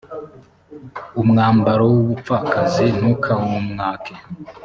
umwambaro w umupfakazi ntukawumwake